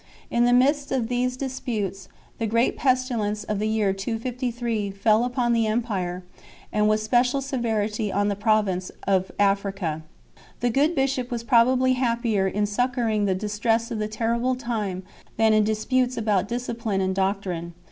In the midst of these disputes the great pestilence of the year 253 fell upon the empire and with special severity on the province of Africa ; the good bishop was probably happier in suc couring the distress of this terrible time than in disputes about discipline and doctrine.